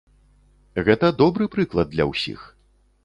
Гэта добры прыклад для ўсіх.